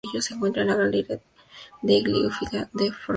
Se encuentra en la Galleria degli Uffizi de Florencia.